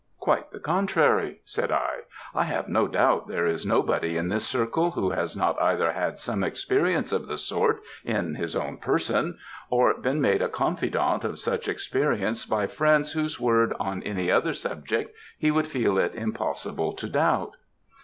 "Quite the contrary," said I; "I have no doubt there is nobody in this circle who has not either had some experience of the sort in his own person, or been made a confidant of such experiences by friends whose word on any other subject he would feel it impossible to doubt."